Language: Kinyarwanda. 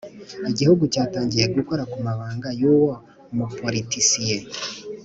Igihugu cyatangiye gukora kumabanga y’uwo muporitisiye